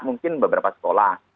mungkin beberapa sekolah